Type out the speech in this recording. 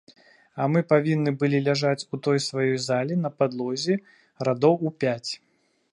А мы павінны былі ляжаць у той сваёй зале, на падлозе, радоў у пяць.